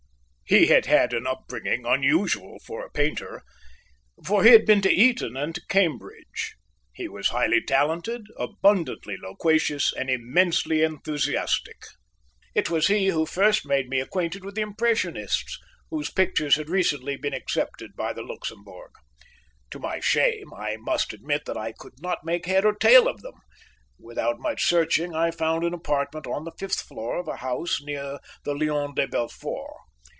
He had had an upbringing unusual for a painter, for he had been to Eton and to Cambridge. He was highly talented, abundantly loquacious, and immensely enthusiastic. It was he who first made me acquainted with the Impressionists, whose pictures had recently been accepted by the Luxembourg. To my shame, I must admit that I could not make head or tail of them. Without much searching, I found an apartment on the fifth floor of a house near the Lion de Belfort.